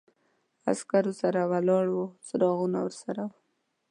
عسکرو سره ولاړ و، څراغونه ورسره و.